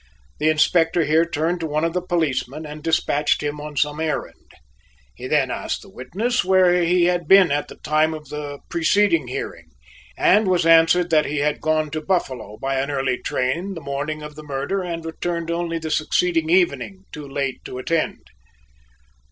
The Inspector here turned to one of the policemen and despatched him on some errand. He then asked the witness where he had been at the time of the preceding hearing, and was answered that he had gone to Buffalo by an early train the morning of the murder and returned only the succeeding evening, too late to attend.